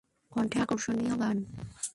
কণ্ঠে আকর্ষণীয় গান।